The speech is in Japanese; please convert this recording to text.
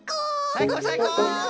さいこうさいこう！